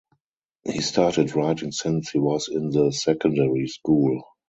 He started writing since he was in the secondary school.